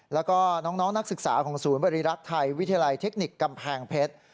แล้วก็น้องนักศึกษาของศูนย์บริรักษ์ไทยวิทยาลัยเทคนิคกำแพงเพชร